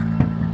aku mau ke sana